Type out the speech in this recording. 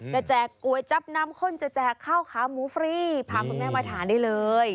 แจกก๋วยจับน้ำข้นจะแจกข้าวขาหมูฟรีพาคุณแม่มาทานได้เลย